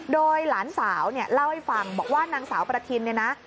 โดยหลานสาวเนี่ยเล่าให้ฟังบอกว่านางสาวประทินเนี่ยนะ